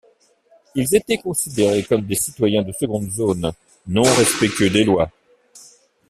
Ils étaient considérés comme des citoyens de seconde zone, non respectueux des lois.